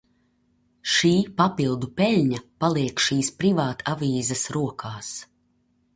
Šī papildu peļņa paliek šīs privātavīzes rokās.